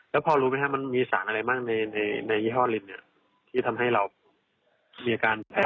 แล้วพอรู้มั้ยครับมันมีสารอะไรบ้างในยี่ห้อลินเนี่ยที่ทำให้เรามีอาการเวียนหัว